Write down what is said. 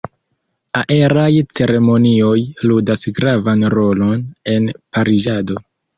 Aeraj ceremonioj ludas gravan rolon en pariĝado.